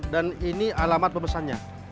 dan ini alamat pemesannya